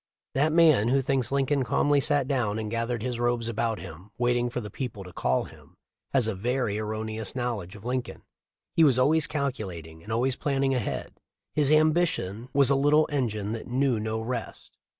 "* That man who thinks Lincoln calmly sat down and gathered his robes about him, waiting for the people to call him, has a very erroneous knowl edge of Lincoln. He was always calculating, and always planning ahead. His ambition was a little engine that knew no rest.